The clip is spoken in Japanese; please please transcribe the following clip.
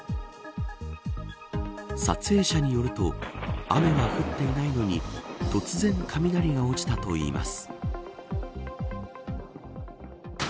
撮影者によると雨は降っていないのに突然、雷が落ちたといいます。